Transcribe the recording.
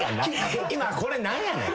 今のこれ何やねん？